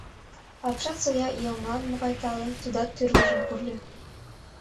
Апшат Зоя йылмылан могай тале, тудат тӱрвыжым пурльо.